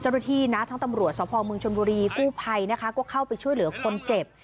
เจ้าหน้าที่นะทั้งตำรวจสภเมืองชนบุรีกู้ภัยนะคะก็เข้าไปช่วยเหลือคนเจ็บ